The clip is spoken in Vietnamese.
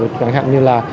chẳng hạn như là